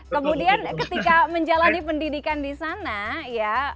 kemudian ketika menjalani pendidikan di sana ya